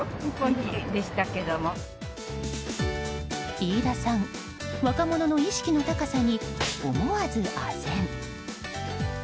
飯田さん、若者の意識の高さに思わず、あぜん。